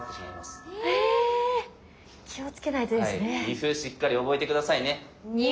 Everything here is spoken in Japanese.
二歩しっかり覚えて下さいね。